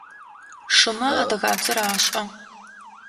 Шымэ адыгабзэр ашӏэ.